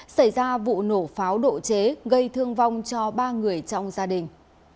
xảy ra vụ nổ pháo độ chế gây thương vong cho ba người trong gia đình